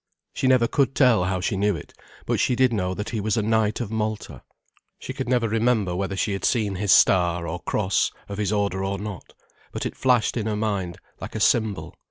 She never could tell how she knew it, but she did know that he was a knight of Malta. She could never remember whether she had seen his star, or cross, of his order or not, but it flashed in her mind, like a symbol.